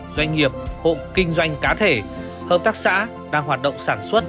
doanh nghiệp hộ kinh doanh cá thể hợp tác xã đang hoạt động sản xuất